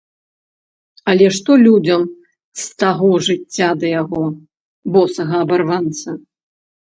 Але што людзям з таго жыцця да яго, босага абарванца?!